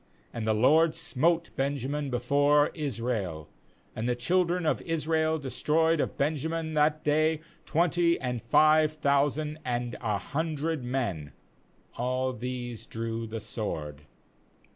3BAnd the LORD smote Benjamin 'be fore Israel; and the children of Israel destroyed of Benjamin that day twenty and five thousand and a hundred men; all these drew the sword.